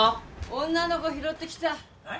女の子拾ってきたはい？